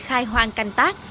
khai hoang canh tác